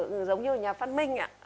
giống như nhà phát minh